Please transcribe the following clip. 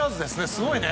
すごいね。